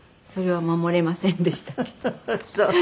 それは守れませんでしたけど。